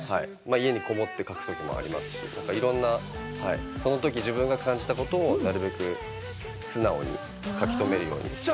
家にこもって書くこともありますし、いろんな、はい、そのとき自分が感じたことをなるべく素直に書き留めるようにしています。